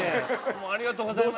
もうありがとうございます。